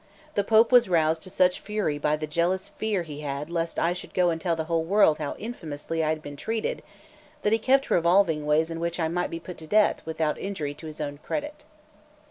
The Pope was roused to such fury by the jealous fear he had lest I should go and tell the whole world how infamously I had been treated, that he kept revolving ways in which I might be put to death without injury to his own credit.